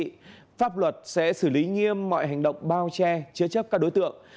cơ quan công an sẽ xử lý nghiêm mọi hành động bao che chứa chấp các đối tượng